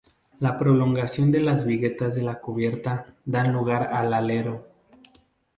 La prolongación de las viguetas de la cubierta dan lugar al alero.